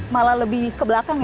malah lebih ke belakang